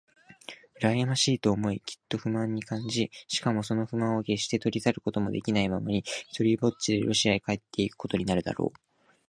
うらやましいと思い、きっと不満を感じ、しかもその不満をけっして消し去ることもできないままに、ひとりぽっちでロシアへ帰っていくことになるだろう。